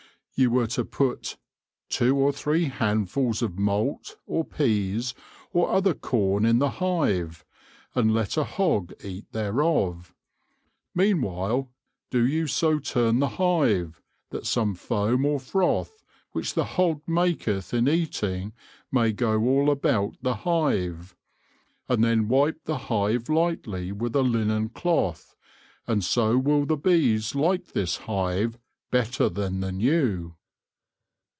You were to put " two or three handfuls of mault, or pease, or other corne in the hive, and let a Hogge eat thereof. Meanwhile, doe you so turne the Hive, that the fome or froth, which the Hogge maketh in eating, may goe all about the Hive. And then wipe the Hive lightlie with a linnen cloth, and so will the Bees like this Hive better than the new."